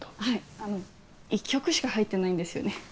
はいあの１曲しか入ってないんですよね